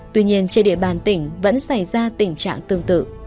tuy nhiên trên địa bàn tỉnh vẫn xảy ra tình trạng tương tự